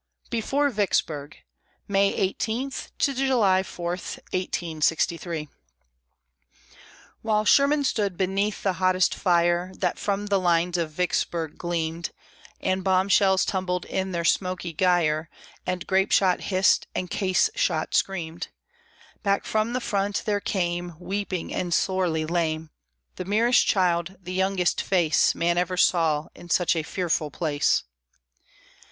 BEFORE VICKSBURG [May 18 July 4, 1863] While Sherman stood beneath the hottest fire, That from the lines of Vicksburg gleamed, And bomb shells tumbled in their smoky gyre, And grape shot hissed, and case shot screamed; Back from the front there came, Weeping and sorely lame, The merest child, the youngest face Man ever saw in such a fearful place.